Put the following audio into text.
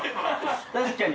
確かに。